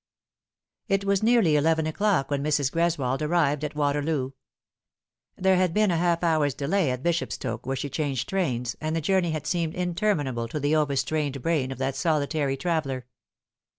IT was nearly eleven o'clock when Mrs. Greswold arrived at Waterloo. There had been half an hour's delay at Bishop stoke, where she changed trains, and the journey had seemed interminable to the over strained brain of that solitary travel ler.